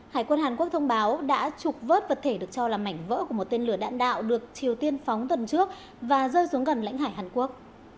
hải quân hàn quốc thông báo đã trục vớt vật thể được cho là mảnh vỡ của một tên lửa đạn đạo được triều tiên phóng tuần trước và rơi xuống gần lãnh hải hàn quốc